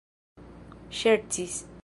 ŝercis